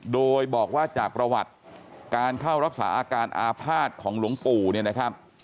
โดยบอกว่าจากประวัติการเข้ารักษาอาการอาภาษณ์ของหลวงปู่เนี่ยนะครับ